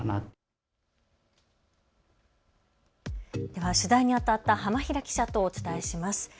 では取材にあたった浜平記者とお伝えします。